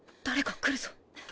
誰か来るぞ！